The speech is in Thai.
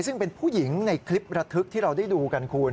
ซึ่งเป็นผู้หญิงในคลิประทึกที่เราได้ดูกันคุณ